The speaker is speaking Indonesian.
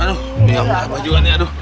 aduh umi kamu gak apa juga nih